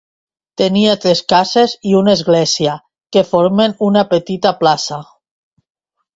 Tenia tres cases i una església, que formen una petita plaça.